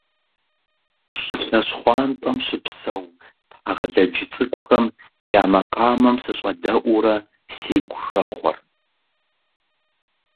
ЩӀылъэ щхъуантӀэм щыпсэу тхьэгъэлэдж цӀыкӀухэм я макъамэм сыщӀэдэӀуурэ сигу хэхъуэрт.